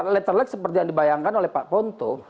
letter like seperti yang dibayangkan oleh pak fonto